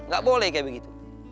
gak boleh kayak begitu